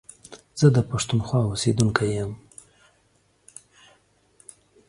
زه دا پښتونخوا اوسيدونکی يم.